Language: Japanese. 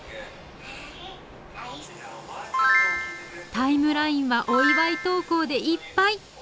タイムラインはお祝い投稿でいっぱい！